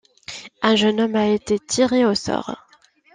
Un jeune homme a été tiré au sort.